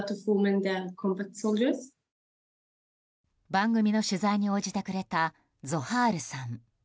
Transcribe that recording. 番組の取材に応じてくれたゾハールさん。